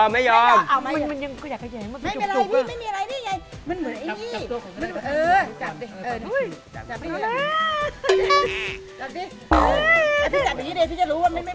มือคุมแบบนี้จะรู้เลย